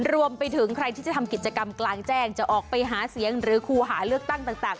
รวมไปถึงใครที่จะทำกิจกรรมกลางแจ้งจะออกไปหาเสียงหรือครูหาเลือกตั้งต่าง